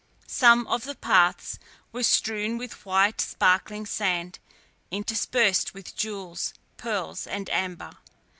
Some of the paths were strewn with white sparkling sand, interspersed with jewels, pearls, and amber.